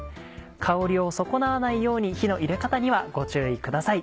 香りを損なわないように火の入れ方にはご注意ください。